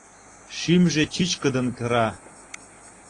Шӱмжӧ чӱчкыдын кыра.